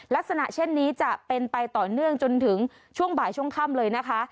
ลักษณะเช่นนี้จะเป็นไปต่อเนื่องจนถึงช่วงบ่ายช่วงค่ำเลยนะคะ